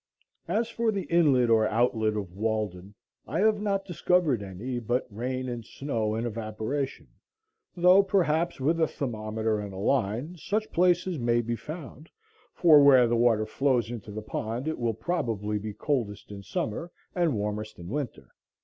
As for the inlet or outlet of Walden, I have not discovered any but rain and snow and evaporation, though perhaps, with a thermometer and a line, such places may be found, for where the water flows into the pond it will probably be coldest in summer and warmest in winter.